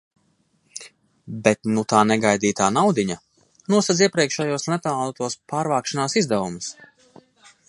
Bet nu tā negaidītā naudiņa nosedz iepriekšējos neplānotos pārvākšanās izdevumus.